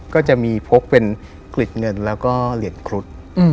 ก็จะมีพกเป็นกลิดเงินแล้วก็เหรียญครุฑ